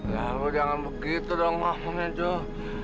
ya lu jangan begitu dong maksudnya jok